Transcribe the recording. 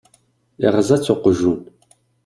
Iɣeẓẓa-tt uqjun.